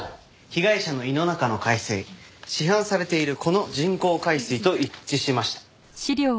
被害者の胃の中の海水市販されているこの人工海水と一致しました。